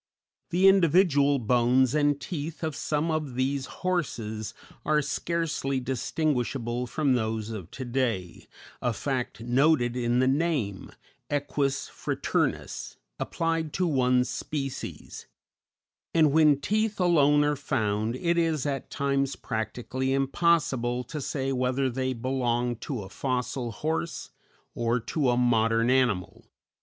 The individual bones and teeth of some of these horses are scarcely distinguishable from those of to day, a fact noted in the name, Equus fraternus, applied to one species; and when teeth alone are found, it is at times practically impossible to say whether they belong to a fossil horse or to a modern animal.